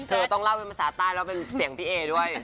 เธอต้องเล่าเป็นภาษาใต้แล้วเป็นเสียงพี่เอด้วย